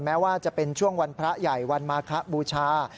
แม้ว่าจะเป็นช่วงวันพระใหญ่วันมาคบูชา